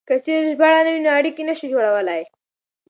که چېرې ژباړه نه وي نو اړيکې نه شو جوړولای.